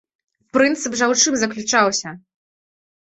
Прынцып жа ў чым заключаўся?